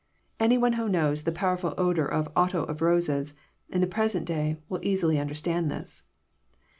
Any one who knows the powerful odour of otto of roses, in the present day, will easily understand this.